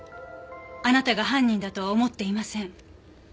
あなたが犯人だとは思っていません。